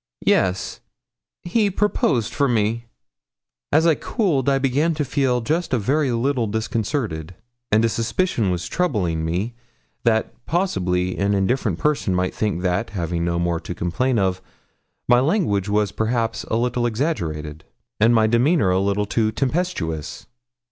'Yes; he proposed for me.' As I cooled, I began to feel just a very little disconcerted, and a suspicion was troubling me that possibly an indifferent person might think that, having no more to complain of, my language was perhaps a little exaggerated, and my demeanour a little too tempestuous.